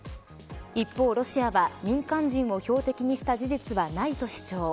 一方、ロシアは民間人を標的にした事実はないと主張。